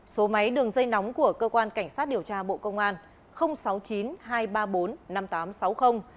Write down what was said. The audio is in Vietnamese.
số máy đường dây nóng của cơ quan cảnh sát điều tra bộ công an